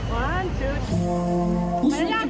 มาแล้วล่ะ